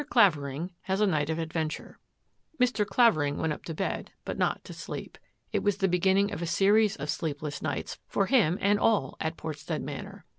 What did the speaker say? CLAVERING HAS A NIGHT ADVENTURE Mr. Clavering went up to bed but not to i It was the beginning of a series of sleepless i for him and all at Portstead Manor.